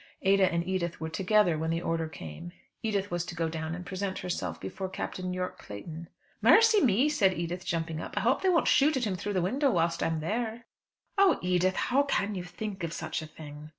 Ada and Edith were together when the order came. Edith was to go down and present herself before Captain Yorke Clayton. "Mercy me!" said Edith jumping up, "I hope they won't shoot at him through the window whilst I am there." "Oh! Edith, how can you think of such a thing?"